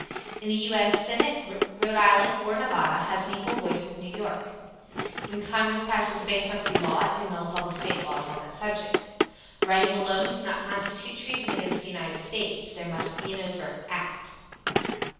In the U. S. Senate Rhode Island or Nevada has an equal voice with New York. When Congress passes a bankruptcy law it annuls all the State laws on that subject. Writing alone does not constitute treason against the United States. There must be an overt act.